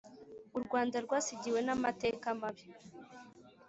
U Rwanda rwasigiwe n’amateka mabi